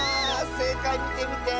せいかいみてみて！